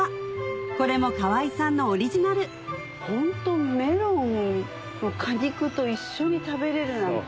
これも河合さんのオリジナルホントメロンの果肉と一緒に食べれるなんて。